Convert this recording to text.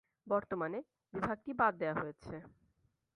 বর্তমানে বিভাগটি বাদ দেওয়া হয়েছে।